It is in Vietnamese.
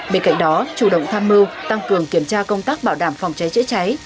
bên cạnh đó chủ động tham mưu tăng cường kiểm tra công tác bảo đảm phòng cháy chữa cháy